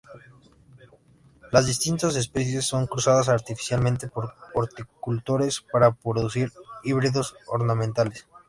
Las distintas especies son cruzadas artificialmente por horticultores para producir híbridos ornamentales.